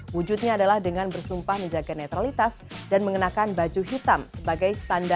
wujudnya adalah dengan bersumpah menjaga netralitas dan mengenakan baju hitam sebagai standar